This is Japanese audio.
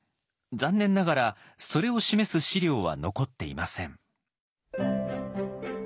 残念ながらそれを示す史料は残っていません。